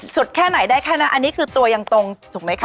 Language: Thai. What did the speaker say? แค่ไหนได้แค่นั้นอันนี้คือตัวยังตรงถูกไหมคะ